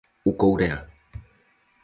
O Courel.